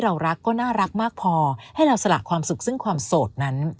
เรารักก็น่ารักมากพอให้เราสละความสุขซึ่งความโสดนั้น